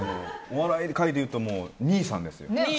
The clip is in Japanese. お笑い界でいうと兄さんですよ。